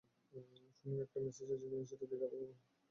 ফোনে একটা মেসেজ এসেছে, মেসেজটা দেখে খুব অবাক হয়ে গেল মিথিলা।